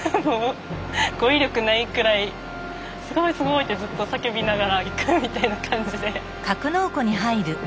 語彙力ないくらい「すごいすごい！」ってずっと叫びながら行くみたいな感じで。